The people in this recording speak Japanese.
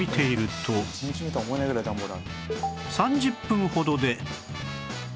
３０分ほどで